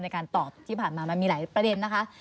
ในการตอบที่ผ่านมามันมีหลายประเด็นนะคะ